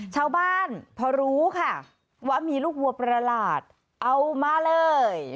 ชาวบ้านพอรู้ค่ะว่ามีลูกวัวประหลาดเอามาเลย